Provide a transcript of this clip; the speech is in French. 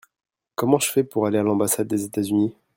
Comment je fais pour aller à l'ambassade des États-Unis ?